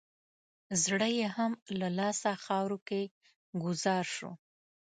زړه یې هم له لاسه خاورو کې ګوزار شو.